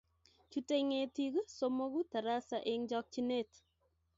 Chutei ng'etik somoku tarasa eng' chokchinet.